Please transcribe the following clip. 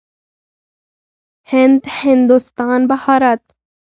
هند، هندوستان، بهارت.